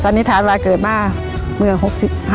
สันนิษฐานว่าเกิดมาเมื่อ๖๕หลังปีที่เที่ยวผ่านมา